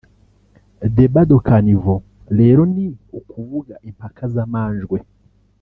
Débat de caniveau rero ni ukuvuga impaka z’amanjwe